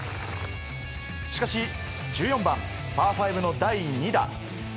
しかし１４番、パー５の第２打。